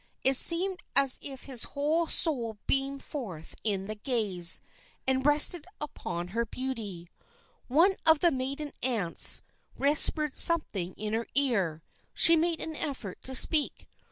It seemed as if his whole soul beamed forth in the gaze, and rested upon her beauty. One of the maiden aunts whispered something in her ear. She made an effort to speak.